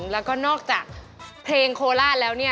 แล้วก็นอกจากเพลงโคราชแล้วเนี่ย